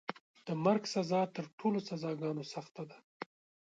د مرګ سزا تر ټولو سزاګانو سخته ده.